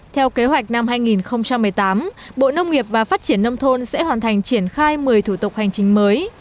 theo kế hoạch năm hai nghìn một mươi tám bộ nông nghiệp và phát triển nông thôn sẽ hoàn thành triển khai một mươi thủ tục hành chính mới